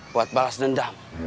buat balas dendam